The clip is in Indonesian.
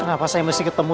boleh berambutin sendiri